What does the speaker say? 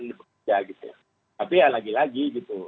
di pekerjaan tapi ya lagi lagi